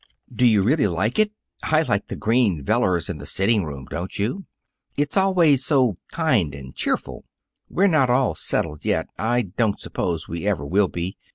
"Do you really like it? I like the green velours in the sitting room, don't you? It's always so kind and cheerful. We're not all settled yet. I don't suppose we ever will be.